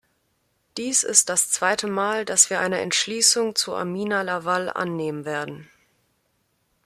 Dies ist das zweite Mal, dass wir eine Entschließung zu Amina Lawal annehmen werden.